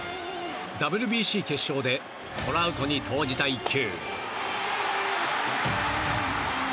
ＷＢＣ決勝でトラウトに投じた一球。